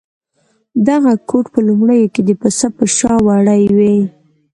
دغه کوټ په لومړیو کې د پسه په شا وړۍ وې.